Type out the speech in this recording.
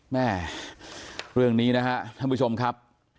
แม่เรื่องนี้นะฮะท่านผู้ชมครับ